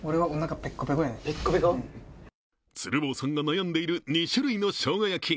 鶴房さんが悩んでいるに２類のしょうが焼き。